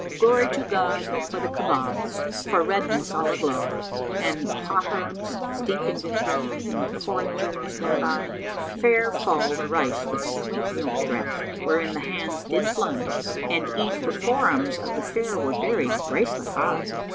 Glory to God for the Kabobs, for redness all aglow, * And potherbs, steeped in vinegar, in porringers thereby! Fair fall the rice with sweet milk dressed, wherein the hands did plunge * And eke the forearms of the fair were buried, bracelet high!